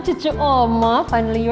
cucu oma akhirnya kamu keluar